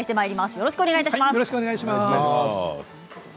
よろしくお願いします。